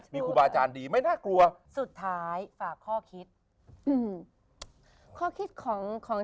มีครูบาอาจารย์ดีไม่น่ากลัวสุดท้ายฝากข้อคิดอืมข้อคิดของของ